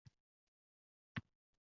Siz tug’ilgan kuni Quyosh bo’lgan shod.